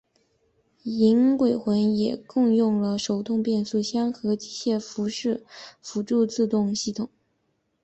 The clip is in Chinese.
银鬼魂也共用了手动变速箱和机械伺服辅助制动系统。